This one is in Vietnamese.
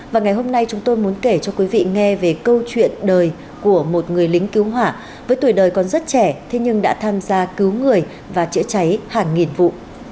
và ngày hôm nay chúng tôi muốn kể cho quý vị nghe về câu chuyện đời của một người lính cứu hỏa với tuổi đời còn rất trẻ thế nhưng đã tham gia cứu người và chữa cháy hàng nghìn vụ